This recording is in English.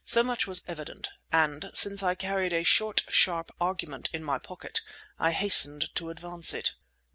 So much was evident; and since I carried a short, sharp argument in my pocket, I hastened to advance it.